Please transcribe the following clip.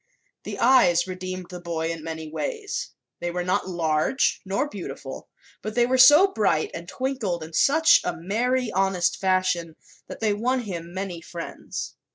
The eyes redeemed the boy in many ways. They were not large nor beautiful, but they were so bright and twinkled in such a merry, honest fashion that they won him many friends.